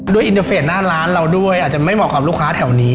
อินเตอร์เฟสหน้าร้านเราด้วยอาจจะไม่เหมาะกับลูกค้าแถวนี้